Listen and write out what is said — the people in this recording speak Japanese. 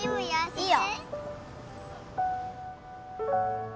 いいよ。